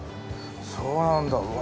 そうなんだうわ